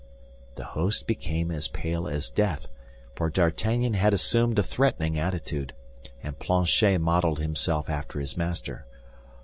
The host became as pale as death; for D'Artagnan had assumed a threatening attitude, and Planchet modeled himself after his master.